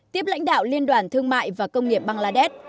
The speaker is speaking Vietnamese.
tiếp lãnh đạo liên đoàn thương mại và công nghiệp bangladesh